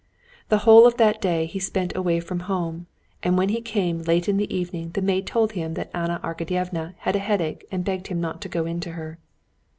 The whole of that day he spent away from home, and when he came in late in the evening the maid told him that Anna Arkadyevna had a headache and begged him not to go in to her.